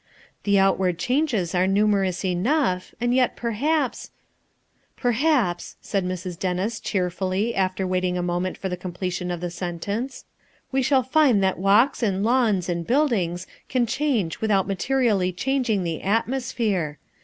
The out ward changes are numerous enough and yet perhaps —■" "Perhaps," said Mrs. Dennis cheerfully after waiting a moment for the completion of the sentence — "we shall find that walks and lawns and buildings can change without materially changing the atmosphere.